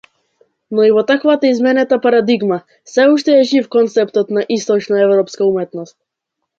Но и во таквата изменета парадигма, сѐ уште е жив концептот на источноеврпската уметност.